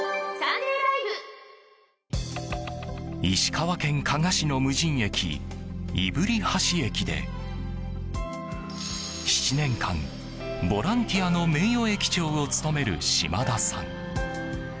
石川県加賀市の無人駅動橋駅で７年間、ボランティアの名誉駅長を務める嶋田さん。